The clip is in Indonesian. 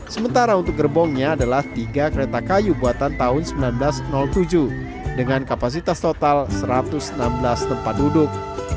sementara untuk gerbongnya adalah tiga kereta kayu buatan tahun seribu sembilan ratus tujuh dengan kapasitas total satu ratus enam belas tempat duduk